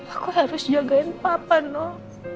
aku harus jagain papa no